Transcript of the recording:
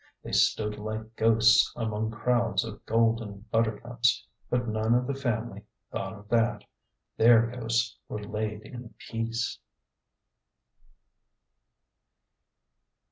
They stood like ghosts among crowds of golden buttercups ; but none of the family thought of that ; their ghosts were laid in peace.